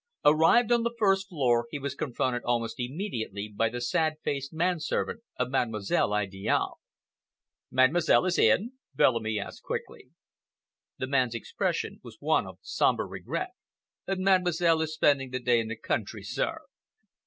Arrived on the first floor, he was confronted almost immediately by the sad faced man servant of Mademoiselle Idiale. "Mademoiselle is in?" Bellamy asked quickly. The man's expression was one of sombre regret. "Mademoiselle is spending the day in the country, sir.